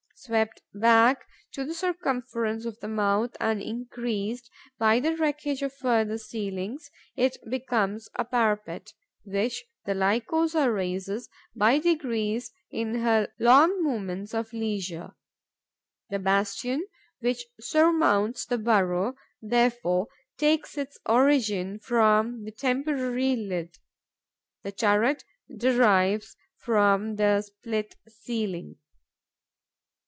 Swept back to the circumference of the mouth and increased by the wreckage of further ceilings, it becomes a parapet, which the Lycosa raises by degrees in her long moments of leisure. The bastion which surmounts the burrow, therefore, takes its origin from the temporary lid. The turret derives from the split ceiling.